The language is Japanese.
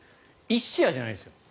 １試合じゃないですよ。